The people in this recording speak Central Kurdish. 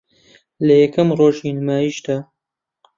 لە یەکەم رۆژی نمایشیدا